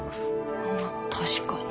まあ確かに。